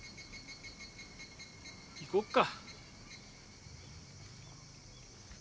行こうか。